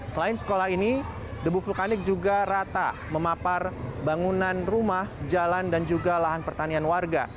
selain sekolah ini debu vulkanik juga rata memapar bangunan rumah jalan dan juga lahan pertanian warga